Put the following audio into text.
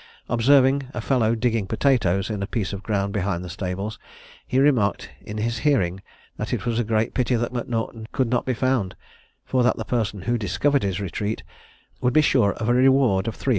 Observing a fellow digging potatoes in a piece of ground behind the stables, he remarked in his hearing that it was a great pity that M'Naughton could not be found, for that the person who discovered his retreat would be sure of a reward of 300_l.